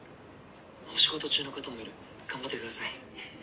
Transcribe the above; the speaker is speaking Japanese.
お仕事中の方もいる頑張ってください。